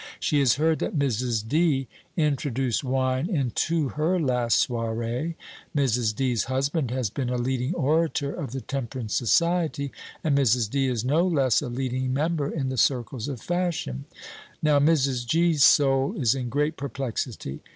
She has heard that Mrs. D. introduced wine into her last soirée. Mrs. D's husband has been a leading orator of the temperance society, and Mrs. D. is no less a leading member in the circles of fashion. Now, Mrs. G.'s soul is in great perplexity.